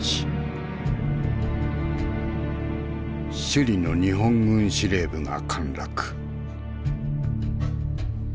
首里の日本軍司令部が陥落。